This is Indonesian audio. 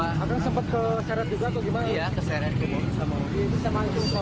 apakah sempat ke syarat juga atau gimana